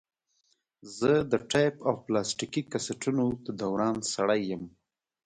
زه د ټیپ او پلاستیکي کسټونو د دوران سړی یم.